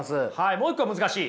もう一個は難しい。